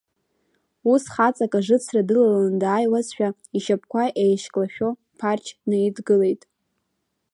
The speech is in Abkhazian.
Ус, хаҵак ажыцра дылаланы дааиуазшәа, ишьапқәа иеишьклашәо Ԥарч днаидгылеит.